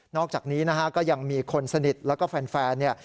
อกจากนี้นะฮะก็ยังมีคนสนิทแล้วก็แฟนเนี่ย